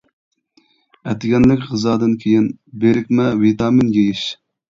ئەتىگەنلىك غىزادىن كېيىن بىرىكمە ۋىتامىن يېيىش.